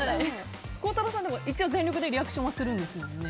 孝太郎さん、一応全力でリアクションはするんですよね。